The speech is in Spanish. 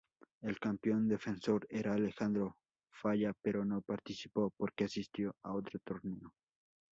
El campeón defensor era Alejandro Falla pero no participó porque asistió a otro torneo.